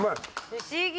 「不思議。